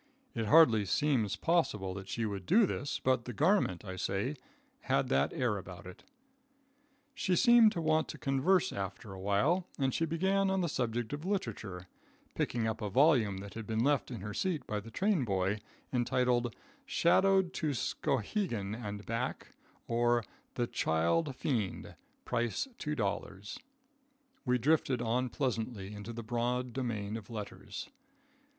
It hardly seems possible that she would do this, but the garment, I say, had that air about it. She seemed to want to converse after awhile, and she began on the subject of literature, picking up a volume that had been left in her seat by the train boy, entitled: "Shadowed to Skowhegan and Back; or, The Child Fiend; price $2," we drifted on pleasantly into the broad domain of letters.